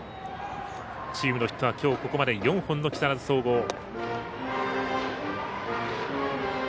チームのヒットはきょうここまで４本の木更津総合。